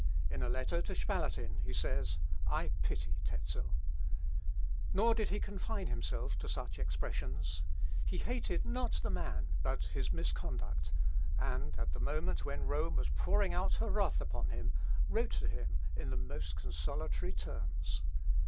In a letter to Spalatin he says, "I pity Tezel." Nor did he confine himself to such expressions. He had hated not the man but his misconduct, and, at the moment when Rome was pouring out her wrath upon him, wrote him in the most consolatory terms.